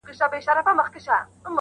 لا به مي څونه ژړوي د عمر توري ورځي!.